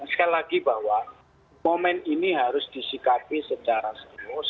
sekali lagi bahwa momen ini harus disikapi secara serius